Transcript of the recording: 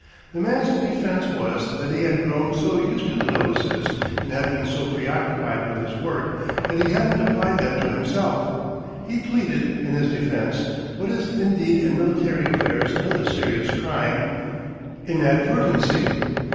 The man's defence was that he had grown so used to the notices and had been so preoccupied with his work that he hadn't applied them to himself; he pleaded, in his defence, what is indeed in military affairs another serious crime, inadvertency.